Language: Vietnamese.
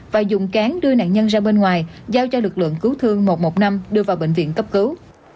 và dùng cán đưa nạn nhân ra bên ngoài giao cho lực lượng cứu thương một trăm một mươi năm đưa vào bệnh viện cấp cứu